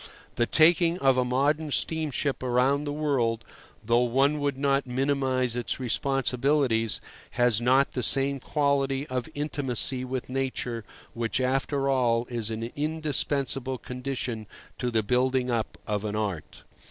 The taking of a modern steamship about the world (though one would not minimize its responsibilities) has not the same quality of intimacy with nature, which, after all, is an indispensable condition to the building up of an art.